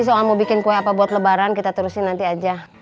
soal mau bikin kue apa buat lebaran kita terusin nanti aja